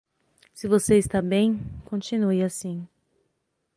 Se você está bem, continue assim.